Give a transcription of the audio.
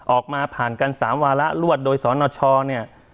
ออกมาผ่านกัน๓วาระรวดโดยสนชเนี่ย